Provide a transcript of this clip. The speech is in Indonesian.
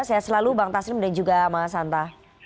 saya selalu bang taslim dan juga mas hanta